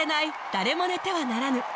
『誰も寝てはならぬ』